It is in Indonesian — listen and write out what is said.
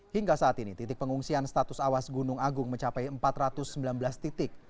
hingga saat ini titik pengungsian status awas gunung agung mencapai empat ratus sembilan belas titik